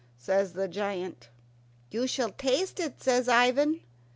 says the giant. "You shall taste it," says Ivan.